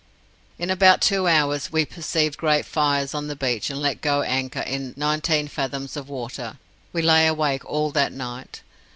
"In about two hours we perceived great fires on the beach and let go anchor in nineteen fathoms of water. We lay awake all that night.